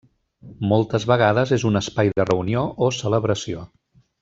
Moltes vegades és un espai de reunió o celebració.